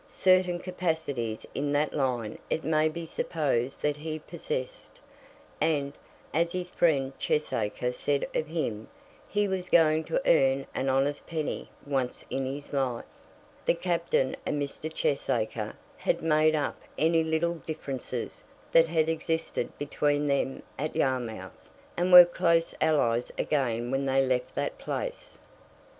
Certain capacities in that line it may be supposed that he possessed, and, as his friend Cheesacre said of him, he was going to earn an honest penny once in his life. The Captain and Mr. Cheesacre had made up any little differences that had existed between them at Yarmouth, and were close allies again when they left that place.